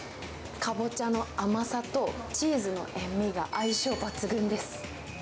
カボチャの甘さとチーズの塩味が相性抜群です。